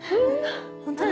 ホントに？